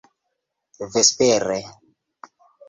vespere